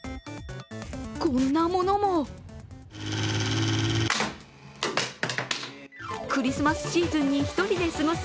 こんなものもクリスマスシーズンに１人で過ごす